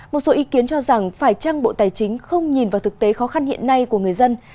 một số ý kiến cho rằng phải chăng bộ tài chính không nhìn vào thực tế khó khăn hiện nay của người dân